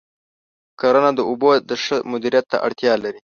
کرنه د اوبو د ښه مدیریت ته اړتیا لري.